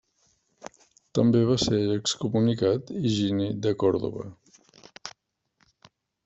També va ser excomunicat Higini de Còrdova.